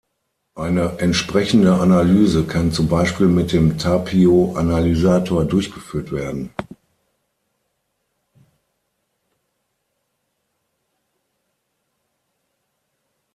Eine entsprechende Analyse kann zum Beispiel mit dem Tapio Analysator durchgeführt werden.